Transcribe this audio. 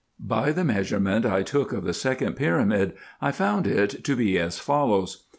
By the measurement I took of the second pyramid I found it to be as follows.